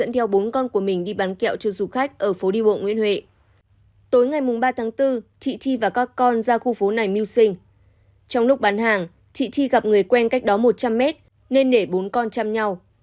trong lúc bán hàng chị chi gặp người quen cách đó một trăm linh mét nên để bốn con chăm nhau